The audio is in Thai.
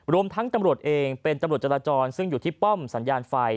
รวมทั้งตำรวจเองเป็นตำรวจจราจรซึ่งอยู่ที่ป้อมสัญญาณไฟ